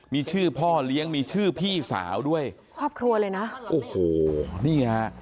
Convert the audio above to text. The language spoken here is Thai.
มีชื่อพ่อเลี้ยงมีชื่อพี่สาวด้วยครอบครัวเลยนะโอ้โหนี่ฮะ